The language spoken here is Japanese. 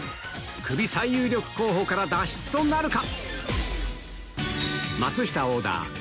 クビ最有力候補から脱出となるか？